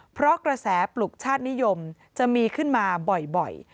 เพราะกระแสปลุกชาตินิยมจะมีขึ้นมาบ่อย